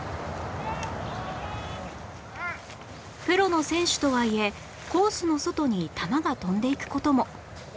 プロの選手とはいえコースの外に球が飛んでいく事も